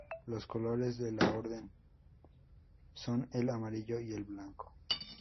Los colores de la Orden son el amarillo y el blanco.